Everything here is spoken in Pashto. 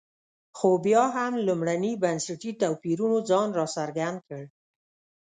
خو بیا هم لومړني بنسټي توپیرونو ځان راڅرګند کړ.